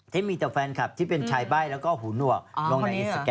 ที่มีแต่แฟนคลับที่เป็นชายใบ้และหูหนวก